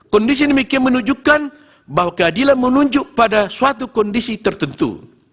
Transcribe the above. kondisi demikian menunjukkan bahwa keadilan menunjuk pada suatu kondisi tertentu